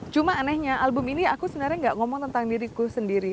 cuma anehnya album ini aku sebenarnya gak ngomong tentang diriku sendiri